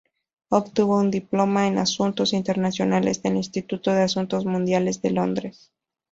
Obtuvo un diploma en asuntos internacionales del Instituto de Asuntos Mundiales de Londres.